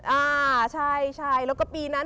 อ่าตัวเองใช่แล้วก็ปีนั้น